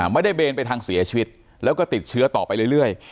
เบนไปทางเสียชีวิตแล้วก็ติดเชื้อต่อไปเรื่อย